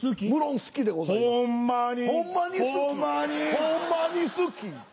ホンマに好き。